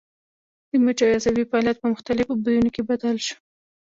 د مچیو عصبي فعالیت په مختلفو بویونو کې بدل شو.